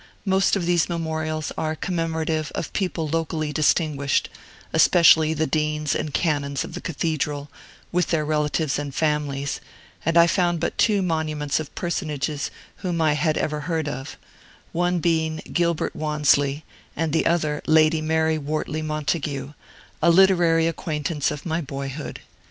Most of these memorials are commemorative of people locally distinguished, especially the deans and canons of the Cathedral, with their relatives and families; and I found but two monuments of personages whom I had ever heard of, one being Gilbert Wahnesley and the other Lady Mary Wortley Montagu, a literary acquaintance of my boyhood.